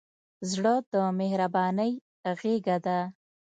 زړه د مهربانۍ غېږه ده.